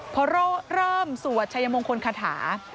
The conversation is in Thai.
พอเริ่มสวดชัยมงคลคาถา